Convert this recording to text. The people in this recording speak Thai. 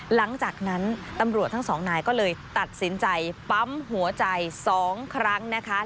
หลังจากนั้นตำรวจทั้งสองนายก็เลยตัดสินใจปั๊มหัวใจ๒ครั้งนะคะ